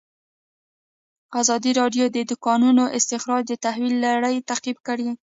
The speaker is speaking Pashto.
ازادي راډیو د د کانونو استخراج د تحول لړۍ تعقیب کړې.